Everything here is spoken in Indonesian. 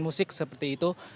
musik seperti itu